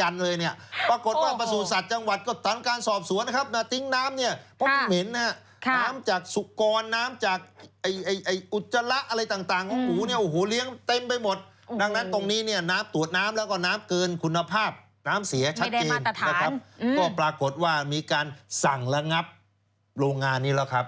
น้ำเสียชัดจริงนะครับก็ปรากฏว่ามีการสั่งระงับโรงงานนี้แล้วครับ